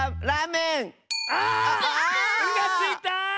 「ん」がついた！